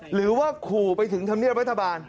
หรือว่าขู่ไปถึงธรรมเนียบรัฐบาล